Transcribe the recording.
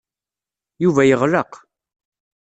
Yuba yeɣleq.